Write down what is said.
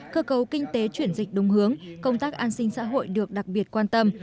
cơ cấu kinh tế chuyển dịch đúng hướng công tác an sinh xã hội được đặc biệt quan tâm